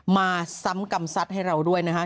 มาซ้ำกำซัดให้เราด้วยนะคะ